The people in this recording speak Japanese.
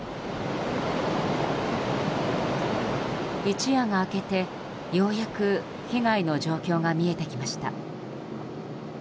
一夜が明けて、ようやく被害の状況が見えてきました。